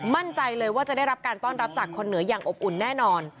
มั่นใจเลยว่าจะได้รับการต้อนรับจากคนเหนืออย่างอบอุ่นแน่นอน